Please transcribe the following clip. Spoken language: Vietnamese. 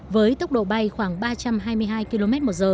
với tốc độ bay khoảng ba trăm hai mươi hai km